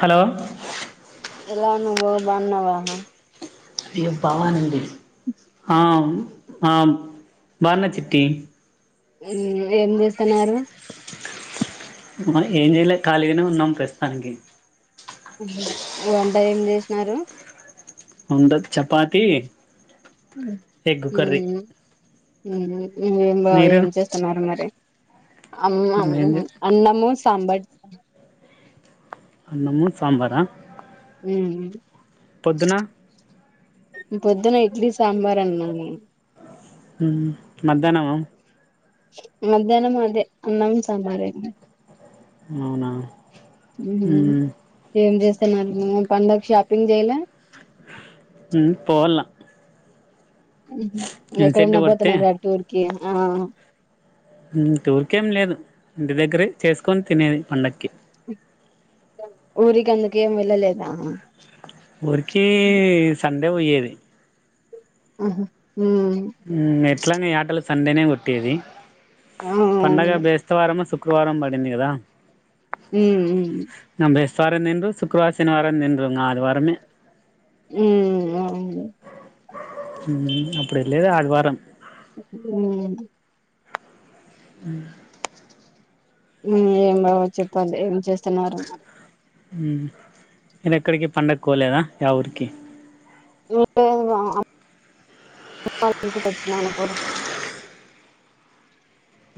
Hello ఎలాఉన్నావ్ bro బవున్నవాహ ఇగ బావానండి అవున్ ఆ బర్ల చిట్టి ఏ ఏం చేస్తున్నారు ఏం చేయలే ఖాళీగానే ఉన్నాం ప్రస్తుతానికి ఏం వంట ఏం చేసినారు ముంద చపాతి హుహు ఎగ్ కర్రీ హుహు ఏం బా మీరు ఏం చేస్తున్నారు మరి అమ్మ ఏం చే అన్నము తంబడ్ అన్నమూ సాంబార ఉ పొద్దున పొద్దున ఇడ్లీ సాంబార్ అన్నా నేను మధ్యాహ్నమా మధ్యాహ్నం అదే అన్నం సంబారే అవునా హ్మ్ ఏం చే హ్మ్మ్ పండక్ షాపింగ్ చేయలె ఊ పోల్నా ఎక్కడన్నా పడితే పోతున్నారు టూర్ కి ఆ ఉ టూర్కేం లేదు ఇంటి దగ్గర చేసుకొని తినేది పండక్కి ఊరికి అందుకేం వెళ్ళలేదా ఊరికిీ సండే పోయ్యేది ఆహా ఎట్లాగా యటలు సండేనే కొట్టేది పండగ అవును. బేస్తవారముు శు శుక్రవారం పడింది కదా ఊ వారం తిన్రు శుక్రవారం, శనివారం తిన్రు ఆది వారమే ఉ అవ్ మ్ అప్పుడు ఎళ్ళేదే ఆదివారం మ్ మ్ ఏం బావ చెప్పండి ఏం చేస్తున్నారు మ్ నేను ఎక్కడికి పండక్కోలేదా యా ఊరికి లేదు బావ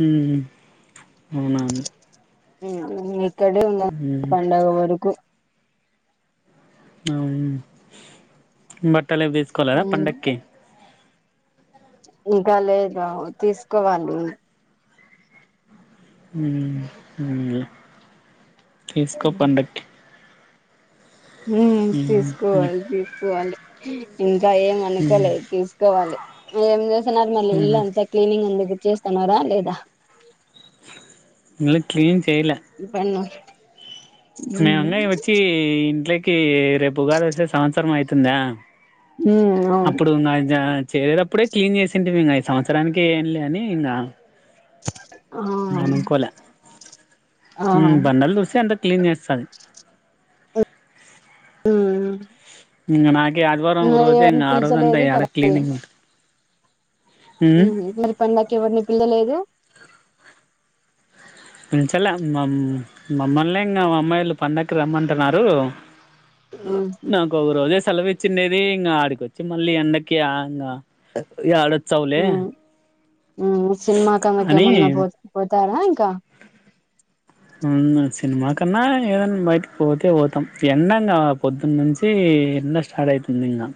మ్ హు అవునండి ఇక్కడే ఉండాలి పండగ వరకు అవును బట్టలవి దీసుకోలేద ఉమ్ పండక్కి ఇంకా లేదా తీసుకోవాలి తీస్కో పండక్కి మ్ తీసుకోవాలి తీసుకోవాలి ఇంగ ఏం అనుకోలేదు తీసుకోవాలి ఏం చేసిన్నారు మళ్ళీ ఇల్లు అంతా క్లీనింగ్ ఉంది చేస్తన్నారా లేదా మళ్ళ క్లీన్ ఇప్పన్నో మీ అన్నయ్య వచ్చి ఇంట్లోకి రేపు ఉగాది వస్తే సంవత్సరం అయితుందా ఉమ్ అవును అప్పుడు నా జ చేరేటప్పుడే క్లీన్ చేసింటిమి ఇంగ ఈ సంవత్సరానికి ఏం లే అని ఇంగ ఆ మనుకోలే ఆ మ్ బండలు దూసె అ క్లీన్ చేస్తది మ్ ఇంగ నాకే ఆదివారం ఒక రోజే ఇంగ ఆ రోజు అంతా పిలిచలేదు ఎడా క్లీనిక్ ఉ మ్ హు మరి పండక్కి ఎవరిని పిల్లలేదు పిల్చలే మమ్ మమ్మల్ని ఇంగ మా అమ్మాయిలు పండక్కి రమ్మంటున్నారు ఉహు నాకు ఒక రోజే సెలవు ఇచ్చిండే ఇంగ ఆడికొచ్చి మళ్ళీ ఎండకి ఆంగ ఎడ మ్ సినిమాకి అంగ అని కెమన్నా పో పో తారా ఇంకా మ్ సినిమా కన్నా ఏదనా బయటకి పోతే పోతాం ఎండంగా పొద్దున్న నుంచి ఎండ స్టార్ట్ అయితుంది ఇంగ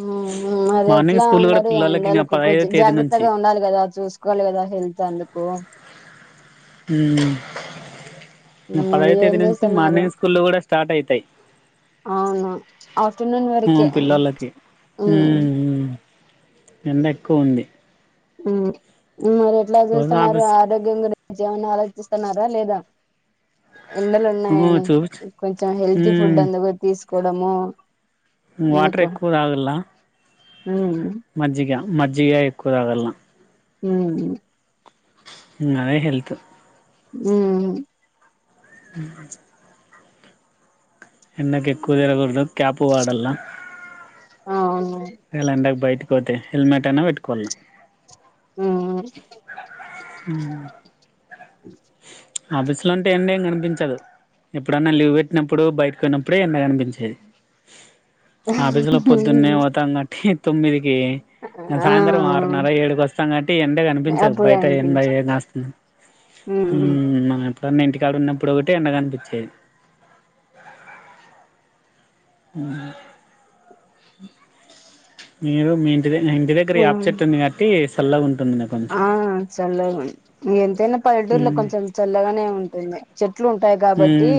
మ్ హు మరి మార్నింగ్ ఎట్లా స్కూల్ కూడా ఉండరు గ పిల్లలకి ఇంకా ఎండలకు పదహైదో కుంచెం తేదీ నుంచి జాగ్రత్తగా ఉండాలి కదా చూసుకోవాలి గదా హెల్త్ అందుకు మ్ ముప్పలయ మరి ఏం తేదీ నుంచి చేస్తున్నారు మార్నింగ్ స్కూల్లు కూడా స్టార్ట్ అవుతాయి అవును ఆఫ్టర్నూన్ వరకే ఉమ్ పిల్లలకి మ్ ఉమ్ ఎండ ఎక్కువ ఉంది మరి ఎట్లా రోజు చూస్తున్నారు ఆఫీస్ ఆరోగ్యం గు రించి ఏమన్న ఆలోచిస్తన్నారా లేదా ఎండలు ఉమ్ ఉన్నాయని చూపించు కొంచెం హెల్తీ ఫుడ్ ఉమ్ అందుగో తీసుకోడము వాటర్ ఎక్కువ తాగలా మ్ మజ్జి ఎక్కువ తాగల్నా హ్మ్ అదే హెల్త్ ఉమ్ ఉమ్ ఎండకి ఎక్కువ తగలకూడదు క్యాపు వాడల్న అవును ఇయాలా ఎండకు బయటకి పోతే హెల్మెట్ అయినా పెట్టుకోవల, ఆ అ [unintelligible] ఆఫీస్ లో ఉంటే ఎండ ఏం కనిపించదు, ఎప్పుడన్నా లీవ్ పెట్టినప్పుడు బయటకు పోయినపుడే ఎండ కానిపించేది, ఆఫీసు లో పొద్దున్నే పోతాం కట్టి తొమ్మిదికి ఆ సాయంత్రం ఆరునారా ఏడుకి వస్తాం కాబట్టి ఎండే కనిపించదు అప్పుడే బయట ఎండ ఏ అనిపించింది కాస్తుంది, [unintelligible] ఉ మన పొద్దునా ఇంటికాడ ఉన్నప్పుడు ఒకటి ఎండ కానిపించేది, మీరు మీ ఇంటి దగ్గర ఈ వేప మ్మ్ చెెట్టు ఉంది కాబట్టి సల్లగా ఉంటు ఆ చల్లగా ఎంతైనా పల్లెటూర్లో కొంచెం చల్లగానే ఉంటుంది చెట్లు ఉంటు ఉంటాయి కాబట్టి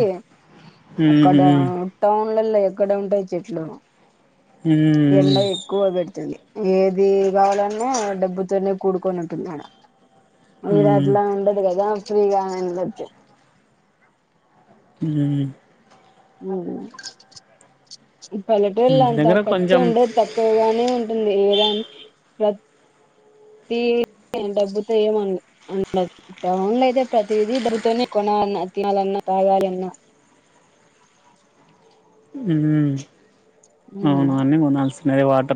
అక్కడ టౌన్లలో ఎక్కడ ఉంటాయి చెట్లు, ఎండ ఎక్కువ పెట్టి ఏది కావాలన్నా డబ్బుతోనే కూడుకొని ఉంటుంది ఆడ ఇడ అట్లా ఉండదు కదా ఫ్రీగా అన్ని వస్తాయి, ఉహు ఉ పల్లెటూళ్ళ ఇంటి అంతా దగ్గర ఖర్చు కొంచెం ఉండదు తక్కువగానే ఉంటుంది, ఏదానికి ప్ర డబ్బుతో ఏమ అ టౌన్ లో అయితే ప్రతిదీ డబ్బుతోనే కొన్నాళనా, తినాలన, తాగలనా ఉ ఉమ్ అవును అన్ని కొనాల్సినవే వాటి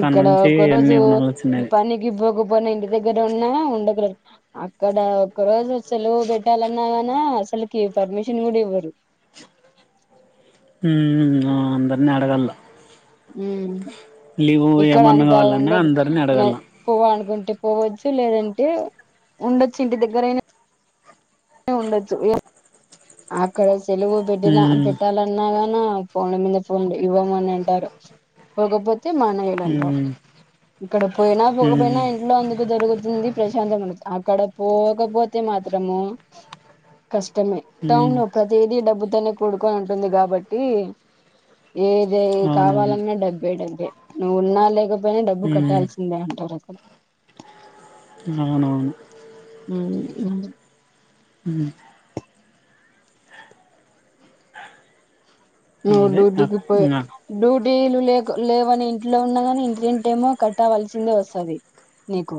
ఇక్కడ నుంచి ఒక అన్నీ రోజు కొనాల్సినది పనికినికి పోక పోన ఇంటి దగ్గర ఉన్నా ఉండగలదు అక్కడ ఒక్క రోజు సెలవు పెట్టాలన్నా, అసలుకి పర్మిషన్ కూడా ఇవరు, ఉ అందరిని అడగల ఇక్కడ ఏమన్నా అంతా కావాలన్నా ఉండదు అందరిని అడగల పోవాల్ అనుకుంటు ఉంట పోవచ్చు లేదంటే ఉండొచ్చు ఇంటి దగ్గరయినా, ఉండచ్చు అక్కడ సెలవు పెట్టిన ఉమ్ పెట్టాలన్నాగాని ఉన్న ఫోన్ లా మీద ఫోన్ లు ఇవ్వను అని అంటారు, పోకపోతే మానేయ్యలి అంటారు. ఉమ్ ఇక్కడ పోయినా ఉమ్ పోకపోయినా ఇంట్లో అందుకు జరుగుతుంది, ప్రశాంతం ఉంట అక్కడ పోకపోతే మాత్రము, కష్టమే ఉమ్ టౌన్ ప్రతిదీ డబ్బుతోనే కూడుకొని ఉంటుంది, కాబట్టి ఏది అవునవును కావాలన్నా డబ్బే డబ్బే నువ్వు ఉన్నా లేకపోయినా డబ్బు ఉమ్ కట్టాల్సిందే అంటారు. [unintelligible] అవునువును ఉ హు నువ్వు అదే డ్యూటీ అక్ కి పోయి ఇంగ నీళ్లు లే లేవని ఇంట్లో ఉన్నా కాని ఇంటి రెంట్ ఏమో కట్టవలసిందే వస్తుంది,, నీకు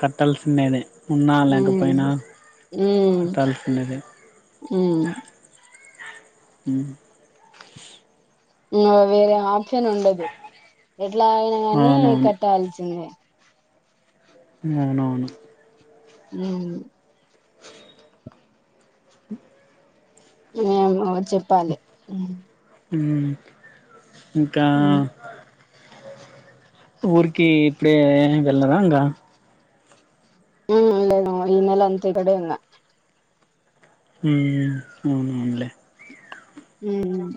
కట్టాల్సిండేది ఉన్నా ఉమ్ లేకపోయినా కట్టాల్సిందె ఉ హు వేరే ఆప్షన్ ఉండదు ఎట్లా అయినా కానీ అవునవును కట్టాల్సిందే, అవునవును హు ఏమో చెప్పాలి, ఉ ఇంకా ఊరికి ఇప్పుడే వెళ్లారా ఇంగ హ్మ్మ్ ఈ నెల అంత ఇక్కడే ఉన్న హ్మ్మ్ అవునువునులే హ్మ్మ్ అవును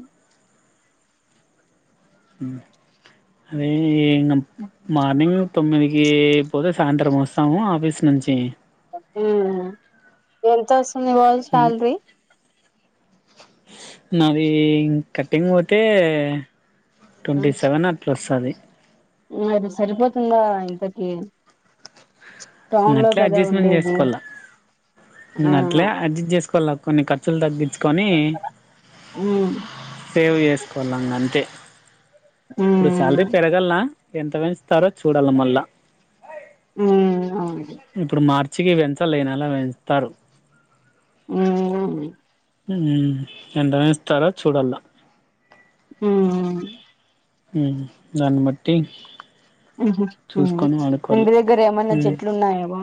ఆ అదే ఇంకా మార్నింగ్ తొమ్మిది పోతే సాయంత్రం వస్తాము ఆఫీస్ నుంచి ఎంత వస్తుంది రోజు ఉమ్ శాలరీ నాది కట్టింగ్ పోతే ట్వంటీ సెవెన్ అట్లా ఒస్తది అది సరిపోతుందా ఇంతకి టౌన్ లో నట్లే కదా అడ్జస్ట్మెంట్ ఉండేది చేసుకోవాల ఆ అట్లే అడ్జస్ట్ చేస్ కోవాల కొన్ని ఖర్చులు తగ్గించుకొని ఉమ్ సేవ్ చేసుకోవాల ఇంగ అంతే ఉమ్ ఇప్పుడు శాలరీ పెరగలా ఎంత పెంచుతారో చూడాల మళ్ళా హ్మ్మ్ అవును ఇప్పుడు మార్చికి పెంచాల ఈ నెల పెంచుతారు హ్మ్మ్ హ్మ్మ్ ఎంత పెంచుతారో చూడాలా హ్మ్మ్ ఆ హ్మ్మ్ దాన్ని బట్టి హ్మ్మ్ చూసుకొని వాడుకోవాల ఇంటి దగ్గర ఏమన్నా చెట్లు ఉన్నాయా మా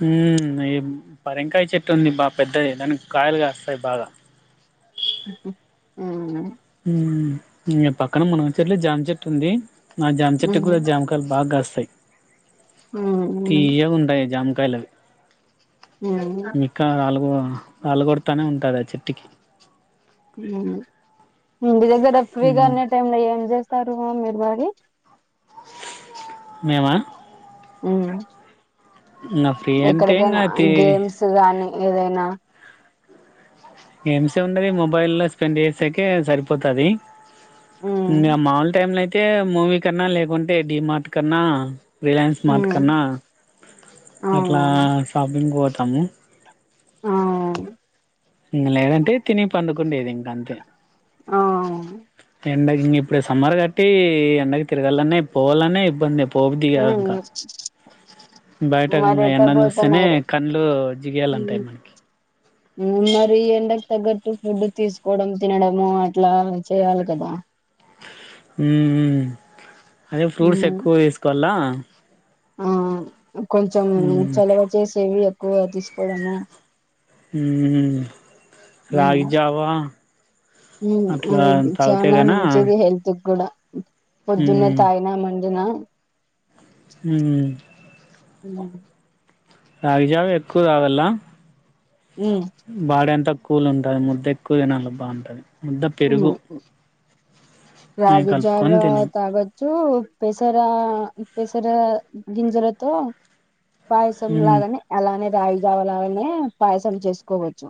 హ్మ్మ్ పరంకాయ చెట్టు ఉంది బా పెద్దది దానికి కాయలు కాస్తాయి బాగా ఆహా అవునా హ్మ్మ్ ఇంగ పక్కన మునగు చెట్లు జామ చెట్టు ఉంది ఆ జామచెట్టు కి ఉమ్ కూడా జామకాయలు బాగా కాస్తాయి ఉమ్ తియ్యగుంటాయి జామకాయలవి ఉమ్ ఇంకా రాలుగ రాలు కొడతానే ఉంటదా చెట్టుకి హ్మ్మ్ మీ ఇంటి దగ్గర ఫ్రీగా హ్మ్ ఉన్న టైమ్ లో ఏం చేస్ తరు మీరు బాగా మేమ హ్మ్మ్ ఫ్రీ అంటే ఇంగ ఎక్కడికైనా తి గేమ్స్ గానీ ఏదైనా గేమ్స్ అండి మొబైల్ లో స్పెండ్ చేసాకే సరిపోతది ఉమ్ ఇంకా మాముూలు టైమ్ లో అయితే మూవీ కన్నా లేకుంటే డిమార్ట్ కన్నా రిలయన్స్ స్మార్ట్ ఉమ్ కన్నా అట్లా అవునవును షాపింగ్ కి పోతాము ఆ ఇంగ లేదంటే తినీ పడుకుండేది ఇంకా అంతే ఆ ఎండగ ఇంగిప్పుడు సమ్మర్ కాబట్టి ఎండగ తిరగాలని పోవాలనే ఇబ్బంది ఎప్పుడు హ్మ్మ్ బయట గంగా ఎండ చూస్తేనే కండ్లు జిగేలాంటాయి ఉమ్ మనకి మరి ఎండకు తగ్గట్టు ఫుడ్ తీసుకోవడం తినడము అట్లా చేయాలి కదా. హ్మ్మ్ అదే ఫ్రూట్స్ ఉమ్ ఎక్కువ తీసుకోవాలా ఆ ఆ కొంచెం మ్మ్ చలవ చేసేవి ఎక్కువ తీసుకోవడము హ్మ్మ్ రాగి జావా హ్మ్మ్ అట్లా అది తాగితే చానా గన మంచిది హెల్త్ కూడా పొద్దున్నే మ్మ్ తాగినమం ద్దున హ్మ్మ్ హ్మ్మ్ రాగి జావా ఎక్కువ తాగలా బాడీ అంతా కూల్ ఉంటది ముద్ద ఎక్కువ తినాలి బాగుంటంది ముద్ద పెరుగు అయి కలుపుకొని రాగిజావా తినాలి తాగోత్ చూ పెసరా పెసరా గింజరతో పాయసం మ్మ్ లాగనే అలానే రాగి జావలాగానే పాయసం చేసుకోవచ్చు.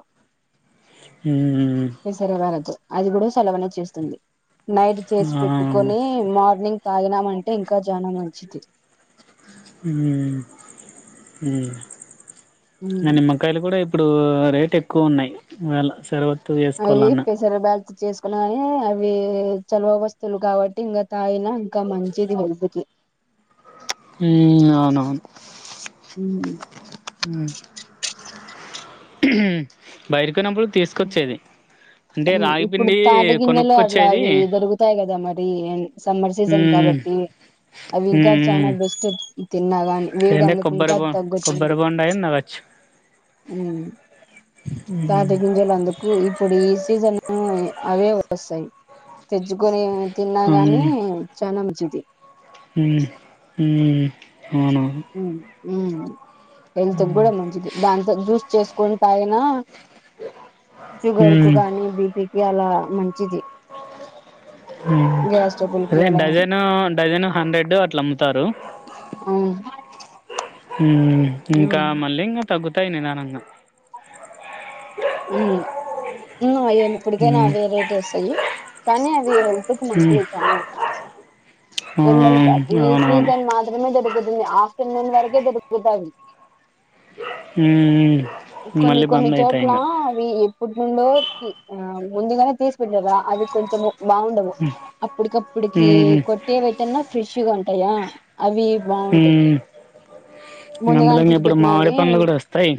హ్మ్మ్ విసరవారదు అది కూడా సలవనే చేస్తుంది. నైట్ చేసి అవును పెట్టుకొని మార్నింగ్ తాగినామంటే ఇంకా చానా మంచిది. నిమ్కాయలు కూడా ఇప్పుడు రేట్ ఎక్కువ ఉన్నాయి వేళ శర్వత అయ్యి పెసర బ్యాల్త్ చేస్ పక్కనే అవి చలవ వస్తువులు గాబట్టి ఇంగా తాగిన ఇంకా మంచిది హెల్త్ కి. అవునవును ఉ బయటకున్నప్పుడు తీసుకొచ్చేది అంటే ఇప్పుడు రాగిపిండి తాట గిందెలో అట్లా కొనుక్కొచ్చేది అవి దొరుగుతాయి కదా, మరి సమ్మర్ సీజన్ కా మ్మ్ కాబట్టి అవి ఇంకా చానా మ్మ్ బెస్ట్. గాని వేడి ఏంటే కొబ్బరి అందుకుంక బో తగ్గుతాంది. కొబ్బరి బొండాయి నవ్వచ్చు హ్మ్మ్ తాటిగీ పంజలందుకు ఇప్పుడు ఈ సీజన్ అవే వస్తాయి. తెచ్చుకొని తిన్నాగాని చాన మంచిది. అవున ఉమ్ ఉమ్ హెల్త్ క్కూడా మంచిది, దాంతో జ్యూస్ చేసుకుని తాగినా షుగర్ కు మ్మ్ కానీ, బిపికి అలా మంచిది. గ్యాస్ ట్రబుల్ కి అదే అలా డజను డజను హండ్రెడ్ అట్లా అమ్ముతారు అమ్మ్ ఇంకా మళ్ళీ ఇంకా తగ్గుతాయి నిదానంగా ఉమ్ ఇంగో అయ్యే ఇప్పటికైనా మ్మ్ వేరైటీ వస్తాయి, కానీ అది హెల్త్ కు మ్మ్ మంచిది చానా ఆ ఎండలకు ఈ అవునవును సీజన్ మాత్రమే దొరుకుతుంది. ఆ చిన్నన్ వరకె జరుగుదావి. హ కొన్ని కొన్ని చోట్ల అవీ ఇప్పుట్ నుండు ఆ ముందుగానే తీసి పెట్టారా అవి కొంచెము బాగుండవు అప్పటికప్పుటికి మ్మ్ కొట్టేవైతేన్నా ఫ్రెష్గా ఉంటాయా? అవి బాగుంటాయి, మ్మ్ అందులో ముందుగానే ఇంగ తిరి ఇప్పుడు మామిడి పెట్టినవి పండ్లు కూడా వస్తాయి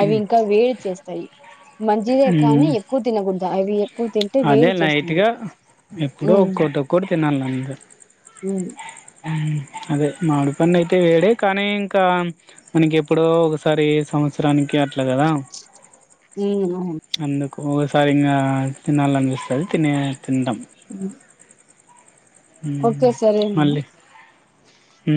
అవి ఇంకా వేడి చేస్తాయి, మంచిదే కానీ మ్మ్ ఎక్కువ తినకూడదు అవి ఎక్కువ తింటే అదే వేడి లైట్ చేస్తుంది గా ఎప్పుడ ఉమ్ ఒక్కటి ఒక్కటి తినాలి అక ఉమ్ అదే మామిడి పని అయితే వేడే కానీ ఇంకా మనకి ఎప్పుడో ఒకసారి సంవత్సరానికి అట్లా కదా ఉమ్ అవును అందుకు ఒకసారి ఇకా తినాలనిపిస్తుంది తినే తింటాం ఓకే సరేన్న అ